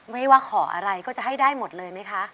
ไม่ว่าขออะไรก็จะให้ได้หมดเลยไหมคะ